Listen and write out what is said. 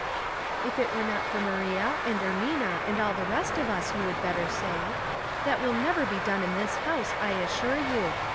" If it were not for Maria, and Ermina, and all the rest of us, you would better say. That will never be done in this house, I assure you.